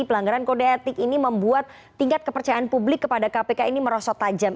pelanggaran kode etik ini membuat tingkat kepercayaan publik kepada kpk ini merosot tajam